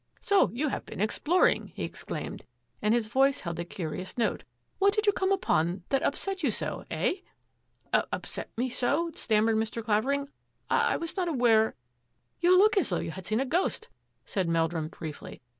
" So you have been exploring !'' he exclaimed, and his voice held a curious note. " What did you come upon that up set you so, eh? "" Upset me so? " stammered Mr. Clavering. " I was not aware —"" You look as though you had seen a ghost," said Meldrum briefly.